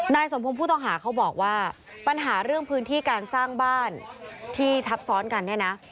สมพงศ์ผู้ต้องหาเขาบอกว่าปัญหาเรื่องพื้นที่การสร้างบ้านที่ทับซ้อนกันเนี่ยนะ